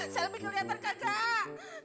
selby kelihatan kagak